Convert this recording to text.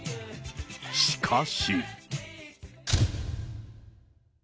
しかし。